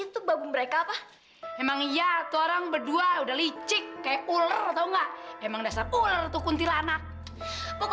tinggal kerjain aja pasti susahnya sih